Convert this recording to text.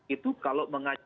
itu kalau mengajak